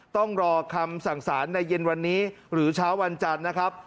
ต้องรอคำสั่งสารในเย็นวันนี้หรือเช้าวันจันทร์นะครับ